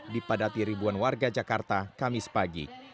dipadati ribuan warga jakarta kamis pagi